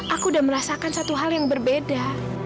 aku udah merasakan satu hal yang berbeda